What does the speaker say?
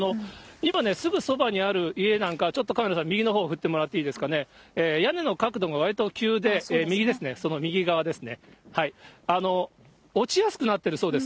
今ね、すぐそばにある家なんかは、ちょっとカメラさん、右のほう振ってもらっていいですかね、屋根の角度がわりと急で、右ですね、その右側ですね、落ちやすくなってるそうです。